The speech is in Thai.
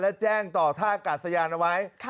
และแจ้งต่อท่าอากาศสะยานไว้